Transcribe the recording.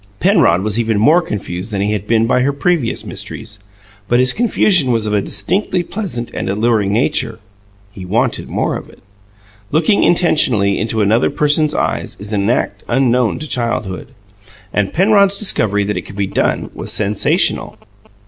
Penrod was even more confused than he had been by her previous mysteries: but his confusion was of a distinctly pleasant and alluring nature: he wanted more of it. Looking intentionally into another person's eyes is an act unknown to childhood; and Penrod's discovery that it could be done was sensational.